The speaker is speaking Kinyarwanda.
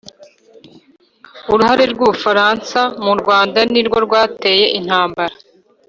uruhare rw'u bufaransa mu rwanda nirwo rwateye intambara